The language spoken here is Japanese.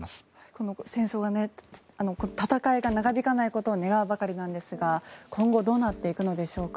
この戦争、戦いが長引かないことを願うばかりなんですが今後どうなっていくのでしょうか？